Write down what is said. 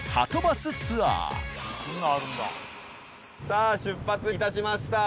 さあ出発いたしました。